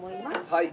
はい。